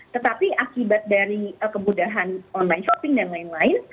tetapi akibat dari kemudahan online shopping dan lain lain